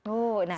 oh nah itu